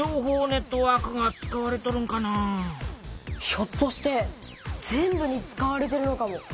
ひょっとして全部に使われてるのかも。